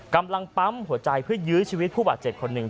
กำลังปั๊มหัวใจเพื่อยื้อชีวิตผู้บาดเจ็บคนหนึ่ง